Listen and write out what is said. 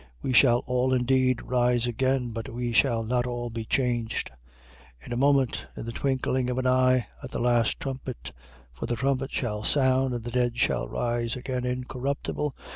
We shall all indeed rise again: but we shall not all be changed. 15:52. In a moment, in the twinkling of an eye, at the last trumpet: for the trumpet shall sound and the dead shall rise again incorruptible.